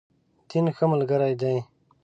دین، ښه ملګری دی.